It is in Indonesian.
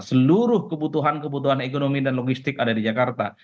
seluruh kebutuhan kebutuhan ekonomi dan logistik ada di jakarta